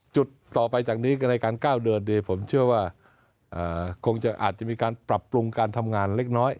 จุดต่อไปจากนี้ในการก้าวเดินผมเชื่อว่าคงจะอาจจะมีการปรับปรุงการทำงานเล็กน้อย